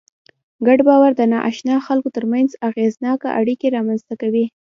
ګډ باور د ناآشنا خلکو تر منځ اغېزناکه اړیکې رامنځ ته کوي.